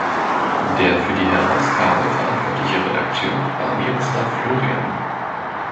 Der für die Herausgabe verantwortliche Redakteur war Miroslav Florian.